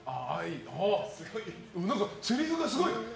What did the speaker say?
何かせりふがすごい。